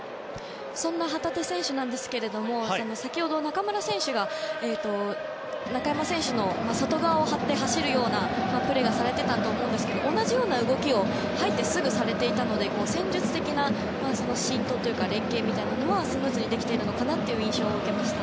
そんな旗手選手ですが先ほど中村選手が外側を張って走るようなプレーをされていたと思いますが同じような動きを入ってすぐされていたので戦術的な連係みたいなものはスムーズにできているのかなという印象がありました。